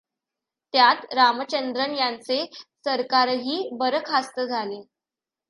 त्यात रामचंद्रन यांचे सरकारही बरखास्त झाले.